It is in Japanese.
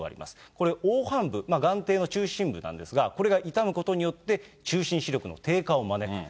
これ、黄斑部、眼底の中心部なんですが、これが傷むことによって、中心視力の低下を招くと。